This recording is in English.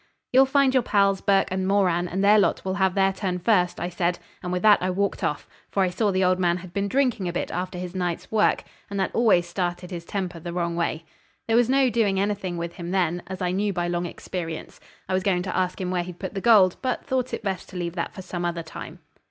'You'll find your pals, Burke and Moran, and their lot will have their turn first,' I said, and with that I walked off, for I saw the old man had been drinking a bit after his night's work, and that always started his temper the wrong way. There was no doing anything with him then, as I knew by long experience. I was going to ask him where he'd put the gold, but thought it best to leave that for some other time.